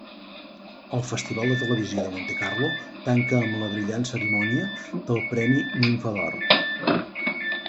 El Festival de Televisió de Montecarlo tanca amb la brillant cerimònia del Premi Nimfa d'Or.